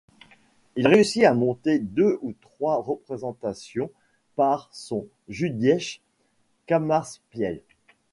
Il réussit à monter deux ou trois représentations par son Jüdisches Kammerspiel.